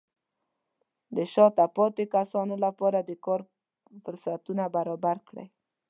د شاته پاتې کسانو لپاره د کار فرصتونه برابر کړئ.